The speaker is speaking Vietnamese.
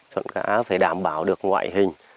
chọn cá phải đảm bảo được ngoại hình